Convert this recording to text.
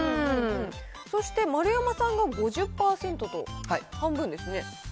そして丸山さんが５０％と半分ですね。